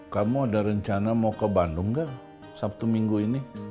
kamu ada rencana mau ke bandung gak sabtu minggu ini